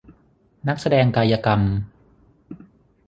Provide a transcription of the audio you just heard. นักแสดงกายกรรม